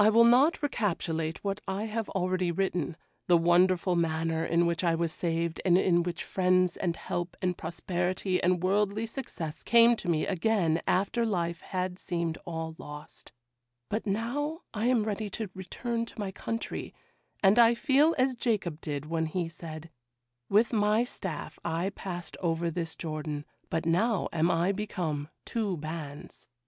'I will not recapitulate what I have already written—the wonderful manner in which I was saved, and in which friends, and help, and prosperity, and worldly success came to me again after life had seemed all lost, but now I am ready to return to my country, and I feel as Jacob did when he said, "With my staff I passed over this Jordan, but now am I become two bands."